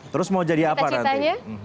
terus mau jadi apa nanti